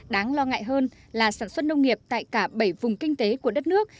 đáng lo ngại hơn là sản xuất nông nghiệp tại cả bảy vùng kinh tế của đất nước